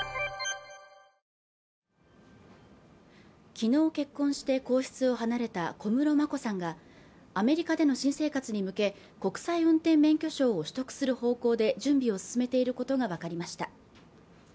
昨日結婚して皇室を離れた小室眞子さんがアメリカでの新生活に向け国際運転免許証を取得する方向で準備を進めていることが分かりました